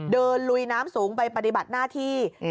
ลุยน้ำสูงไปปฏิบัติหน้าที่